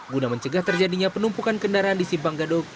guna mencegah terjadinya penumpukan kendaraan di simpang gadok